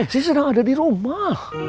c s i senang ada di rumah